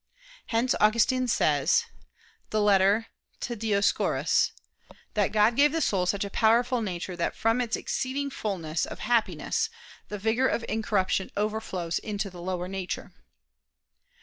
Hence Augustine says (Ep. ad Dioscor.) that "God gave the soul such a powerful nature that from its exceeding fulness of happiness the vigor of incorruption overflows into the lower nature."